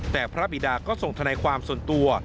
แต่พระบิดาก็ส่งทนายความส่วนตัว